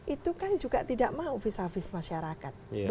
itu kan juga tidak mau vis a vis masyarakat